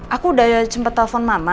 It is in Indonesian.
aku udah sempat telepon mama